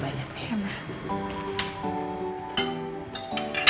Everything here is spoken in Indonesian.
ambilin banyak banyak ya